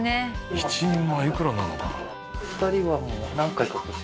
１人前いくらなのかな？